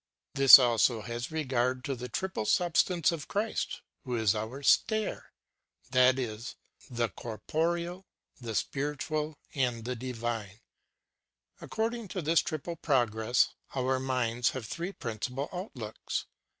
"' This also has regard to the triple sub stance in Christ, who is our stair ŌĆö that is, the corporeal, the spir itual, and the divine. According to this triple progress, our minds have three princi pal outlooks.